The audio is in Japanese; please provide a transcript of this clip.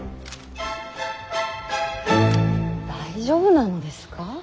大丈夫なのですか？